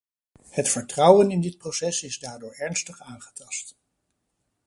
Het vertrouwen in dit proces is daardoor ernstig aangetast.